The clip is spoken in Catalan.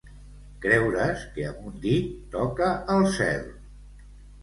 Creure's que amb un dit toca el cel.